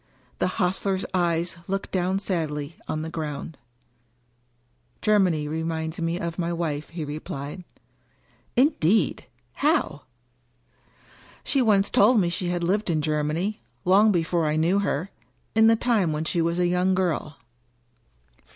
The hostler's eyes looked down sadly on the ground, Germany reminds me of my wife," he replied. "Indeed! How?" "She once told me she had lived in Germany — ^long before I knew her — in the time when she was a young girl."